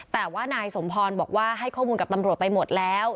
แต่ว่านายสมพรบอกว่าให้ข้อมูลกับตำรวจไปหมดแล้ว